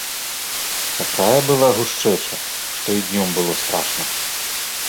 Такая была гушчэча, што і днём было страшна.